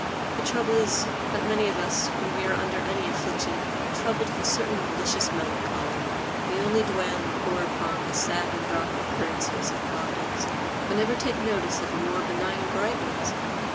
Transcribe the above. The trouble is, that many of us, when we are under any affliction, are troubled with a certain malicious melancholy. We only dwell and pore upon the sad and dark occurrences of Providence, but never take notice of the more benign and bright ones.